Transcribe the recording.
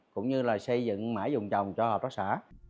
cũng như là xây dựng mãi dùng trồng cho hợp tác xã